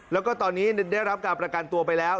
แล้วก็ตอนนี้ได้รับการประกันตัวไปแล้ว